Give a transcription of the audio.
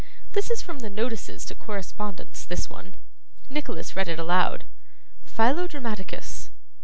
'This is from the notices to correspondents, this one.' Nicholas read it aloud. '"Philo Dramaticus.